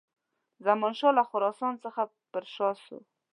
زمانشاه له خراسان څخه پر شا سو.